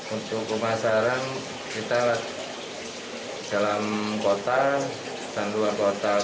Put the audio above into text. untuk pemasaran kita dalam kota dan luar kota